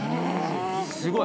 すごい。